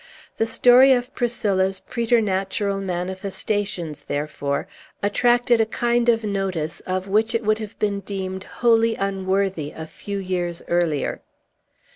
The story of Priscilla's preternatural manifestations, therefore, attracted a kind of notice of which it would have been deemed wholly unworthy a few years earlier.